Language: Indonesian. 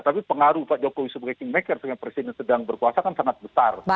tapi pengaruh pak jokowi sebagai kingmaker sebagai presiden sedang berkuasa kan sangat besar